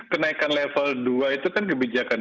kenaikan level dua itu kan kebijakan